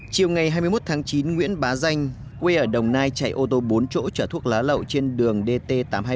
chiều ngày hai mươi một tháng chín nguyễn bá danh quê ở đồng nai chạy ô tô bốn chỗ chở thuốc lá lậu trên đường dt tám trăm hai mươi